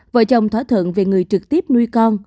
vợ chồng thỏa thuận về người trực tiếp nuôi con